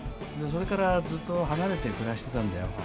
それからずっと離れて暮らしてたんだよ